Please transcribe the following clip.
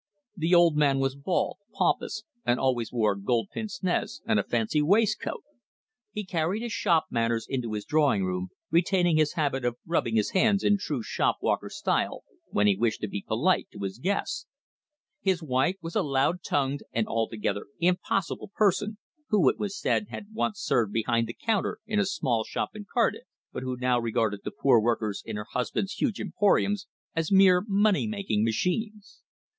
The old man was bald, pompous, and always wore gold pince nez and a fancy waistcoat. He carried his shop manners into his drawing room, retaining his habit of rubbing his hands in true shop walker style when he wished to be polite to his guests. His wife was a loud tongued and altogether impossible person, who, it was said, had once served behind the counter in a small shop in Cardiff, but who now regarded the poor workers in her husband's huge emporium as mere money making machines.